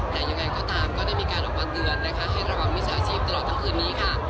แต่ยังไงก็ตามก็ได้มีการออกมาเตือนนะคะให้ระวังมิจฉาชีพตลอดทั้งคืนนี้ค่ะ